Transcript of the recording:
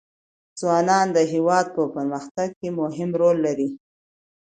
ځوانان د هېواد په پرمختګ کې مهم رول لري.